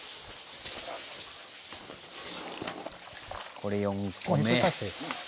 これ４個目。